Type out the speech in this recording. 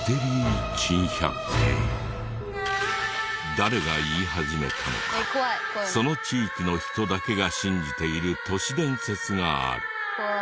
誰が言い始めたのかその地域の人だけが信じている都市伝説がある。